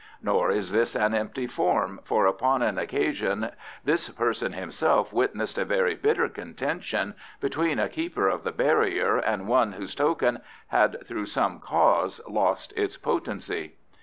Nor is this an empty form, for upon an occasion this person himself witnessed a very bitter contention between a keeper of the barrier and one whose token had through some cause lost its potency.